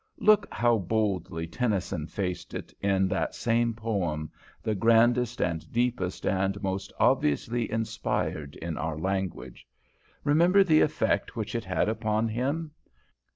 Look how boldly Tennyson faced it in that same poem, the grandest and deepest and most obviously inspired in our language. Remember the effect which it had upon him.